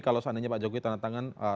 kalau seandainya pak jokowi tanda tangan